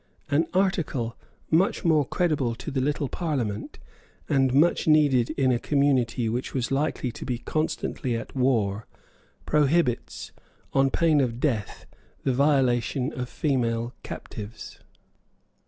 An article much more creditable to the little Parliament, and much needed in a community which was likely to be constantly at war, prohibits, on pain of death, the violation of female captives.